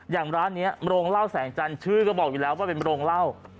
อย่างร้านนี้โรงเล่าแสงจันทร์ชื่อก็บอกอยู่แล้วว่าเป็นโรงเล่า